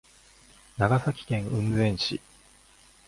長崎県雲仙市